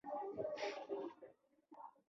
د ښاري او کلیوالي دواړو سیمو استازي موجود و.